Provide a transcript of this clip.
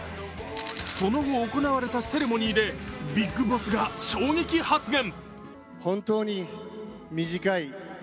その後、行われたセレモニーでＢＩＧＢＯＳＳが衝撃発言。